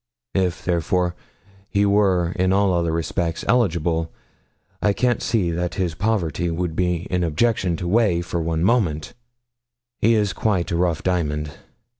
If, therefore, he were in all other respects eligible, I can't see that his poverty would be an objection to weigh for one moment. He is quite a rough diamond.